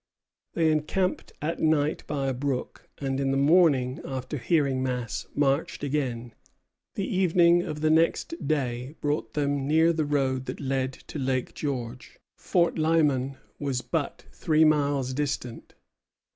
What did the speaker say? They encamped at night by a brook, and in the morning, after hearing Mass, marched again. The evening of the next day brought them near the road that led to Lake George. Fort Lyman was but three miles distant.